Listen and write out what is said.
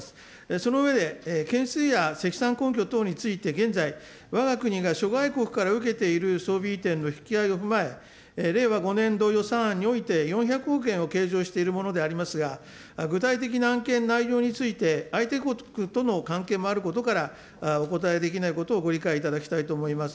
その上で積算根拠等について、現在、わが国が諸外国から受けている装備移転の引き上げを踏まえ、令和５年度予算案において４００億円を計上しているものでありますが、具体的な案件、内容について相手国との関係もあることから、お答えできないことをご理解いただきたいと思います。